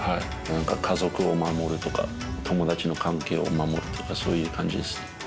なんか家族を守るとか、友達の関係を守るとか、そういう感じですね。